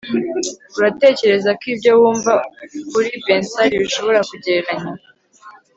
uratekereza ko ibyo wumva kuri bensali bishobora kugereranya